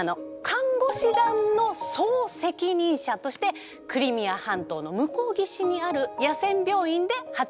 看護師団の総責任者としてクリミア半島の向こう岸にある野戦病院で働くことになったの。